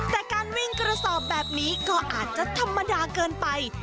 แต่การวิ่งกระสอบแบบนี้ก็อาจจะธรรมดาเกินไป